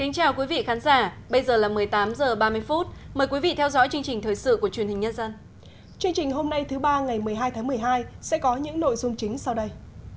chương trình hôm nay thứ ba ngày một mươi hai tháng một mươi hai sẽ có những nội dung chính sau đây